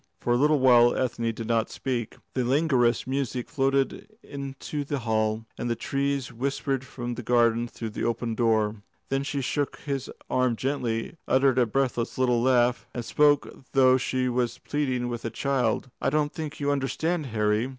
For a little while Ethne did not speak. The languorous music floated into the hall, and the trees whispered from the garden through the open door. Then she shook his arm gently, uttered a breathless little laugh, and spoke as though she were pleading with a child. "I don't think you understand, Harry.